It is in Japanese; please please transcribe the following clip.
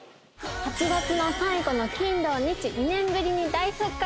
８月の最後の金・土・日２年ぶりに大復活！